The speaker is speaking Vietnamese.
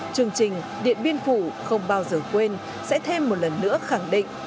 chương trình điện biên phủ không bao giờ quên sẽ thêm một lần nữa khẳng định